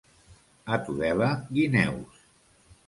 A Tudela, guineus.